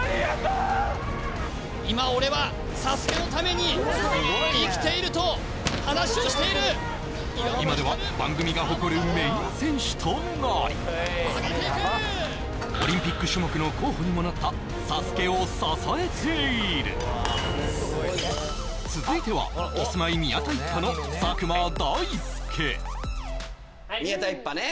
今俺は「ＳＡＳＵＫＥ」のために生きていると話をしている今では番組が誇るメイン選手となりオリンピック種目の候補にもなった「ＳＡＳＵＫＥ」を支えている続いてはキスマイ宮田一派の佐久間大介宮田一派ね